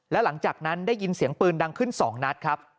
แล้วหลังจากนั้นได้ยินเสียงปืนดังขึ้น๒นัดครับ